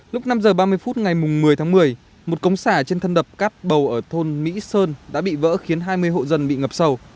lúc năm h ba mươi phút ngày một mươi tháng một mươi một cống xả trên thân đập cát bầu ở thôn mỹ sơn đã bị vỡ khiến hai mươi hộ dân bị ngập sâu